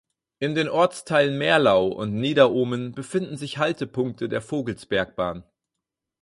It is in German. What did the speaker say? In den Ortsteilen Merlau und Nieder-Ohmen befinden sich Haltepunkte der Vogelsbergbahn.